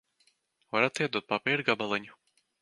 Varat iedot papīra gabaliņu?